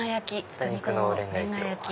豚肉のレンガ焼き。